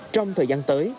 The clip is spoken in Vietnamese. trong thời gian tới